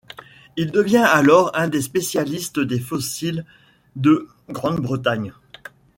Il devient alors un des spécialistes des fossiles de Grande-Bretagne.